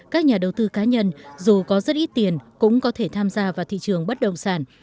các nhà đầu tư cá nhân dù có rất ít tiền cũng có thể tham gia vào thị trường bất động sản